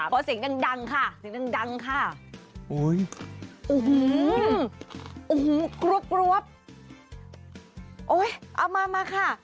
ขอเสียงดังค่ะโอ้โหเอามาค่ะ